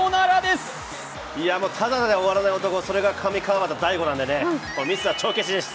ただで終わらない男、それが上川畑大悟なんでね、ミスは帳消しです